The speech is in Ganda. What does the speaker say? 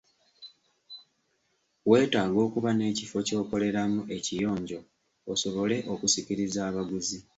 Weetaaga okuba n'ekifo ky'okoleramu ekiyonjo osobole okusikiriza abaguzi.